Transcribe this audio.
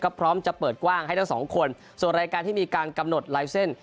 พร้อมจะเปิดกว้างให้ทั้งสองคนส่วนรายการที่มีการกำหนดลายเส้น